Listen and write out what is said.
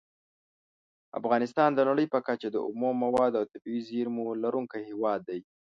افغانستان د نړۍ په کچه د اومو موادو او طبیعي زېرمو لرونکی هیواد دی.